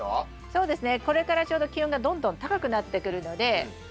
そうですね。